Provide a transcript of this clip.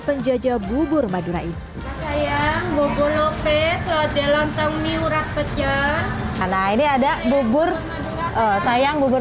penjaja bubur madura ini sayang bobo lopez lo delong temi urap pecah karena ini ada bubur sayang bubur